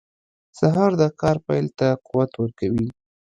سهار د کار پیل ته قوت ورکوي.